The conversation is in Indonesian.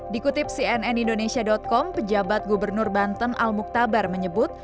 dikutip cnn indonesia com pejabat gubernur banten al muktabar menyebut